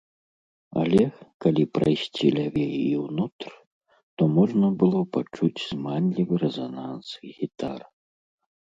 Але, калі прайсці лявей і ўнутр, то можна было пачуць зманлівы рэзананс гітар.